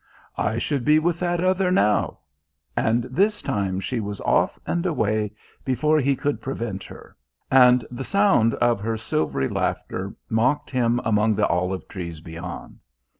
"I should be with that other now!" And this time she was off and away before he could prevent her, and the sound of her silvery laughter mocked him among the olive trees beyond.